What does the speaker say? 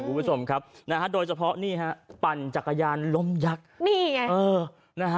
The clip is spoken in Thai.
คุณผู้ชมครับนะฮะโดยเฉพาะนี่ฮะปั่นจักรยานล้มยักษ์นี่ไงเออนะฮะ